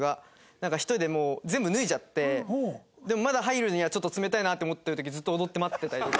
なんか１人でもう全部脱いじゃってでもまだ入るにはちょっと冷たいなって思ってる時ずっと踊って待ってたりとか。